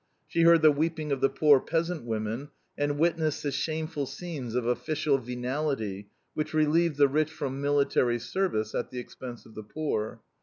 She heard the weeping of the poor peasant women, and witnessed the shameful scenes of official venality which relieved the rich from military service at the expense of the poor.